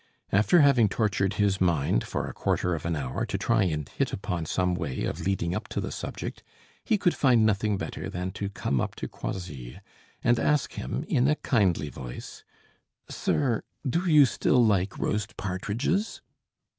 After having tortured his mind for a quarter of an hour to try and hit upon some way of leading up to the subject, he could find nothing better than to come up to Croisilles, and ask him, in a kindly voice: "Sir, do you still like roast partridges?"